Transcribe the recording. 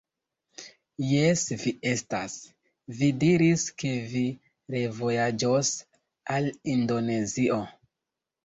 Jes vi estas! Vi diris, ke vi revojaĝos al Indonezio!